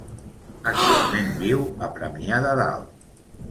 Actualment viu a Premià de Dalt.